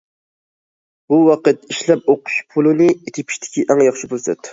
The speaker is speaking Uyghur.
بۇ ۋاقىت ئىشلەپ ئوقۇش پۇلىنى تېپىشتىكى ئەڭ ياخشى پۇرسەت.